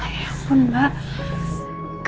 ya ampun mbak